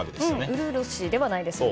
うるう年ではないですね。